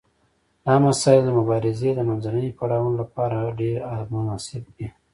دا مسایل د مبارزې د منځنیو پړاوونو لپاره ډیر مناسب دي.